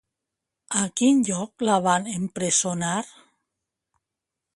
A quin lloc la van empresonar?